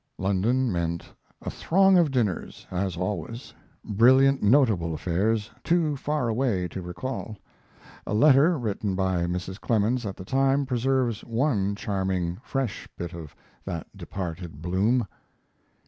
London meant a throng of dinners, as always: brilliant, notable affairs, too far away to recall. A letter written by Mrs. Clemens at the time preserves one charming, fresh bit of that departed bloom.